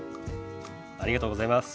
ありがとうございます。